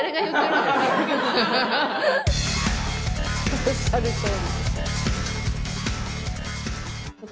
おっしゃるとおり。